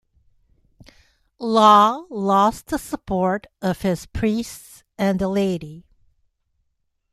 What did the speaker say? Law lost the support of his priests and the laity.